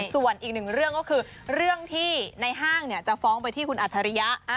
ส่วนอีกหนึ่งเรื่องก็คือเรื่องที่ในห้างจะฟ้องไปที่คุณอัจฉริยะ